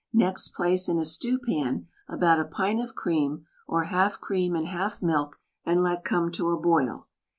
Next place in a stew pan about a pint of cream or half cream and half milk and let come to a boil.